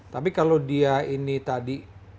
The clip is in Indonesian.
tapi kalau dia ini tadi